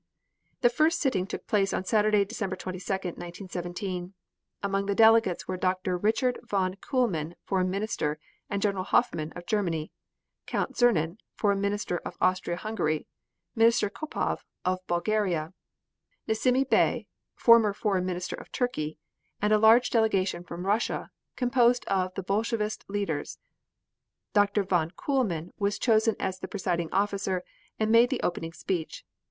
The first sitting took place on Saturday, December 22, 1917. Among the delegates were Dr. Richard von Kuhlmann, Foreign Minister, and General Hoffman, of Germany; Count Czernin, Foreign Minister of Austria Hungary; Minister Kopov, of Bulgaria; Nesimy Bey, former Foreign Minister of Turkey, and a large delegation from Russia, composed of Bolshevist leaders. Dr. von Kuhlmann was chosen as the presiding officer and made the opening speech.